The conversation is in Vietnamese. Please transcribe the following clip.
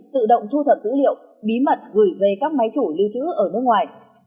tự động thu thập dữ liệu bí mật gửi về các máy chủ lưu trữ ở nước ngoài